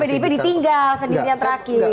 kan pdip ditinggal sedikit yang terakhir